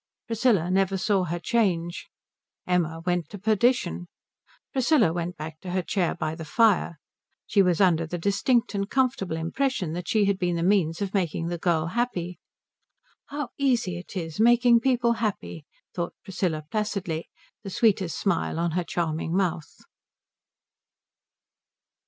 Priscilla never saw her change. Emma went to perdition. Priscilla went back to her chair by the fire. She was under the distinct and comfortable impression that she had been the means of making the girl happy. "How easy it is, making people happy," thought Priscilla placidly, the sweetest smile on her charming mouth.